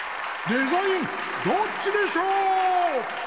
「デザインどっちでショー」！